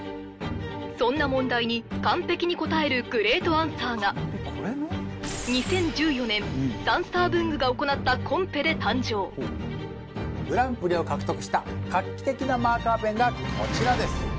そんな問題に完璧に答えるグレートアンサーがで誕生グランプリを獲得した画期的なマーカーペンがこちらです